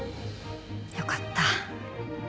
よかった。